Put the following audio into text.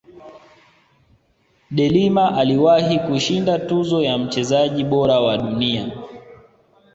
delima aliwahi kushinda tuzo ya mchezaji bora wa dunia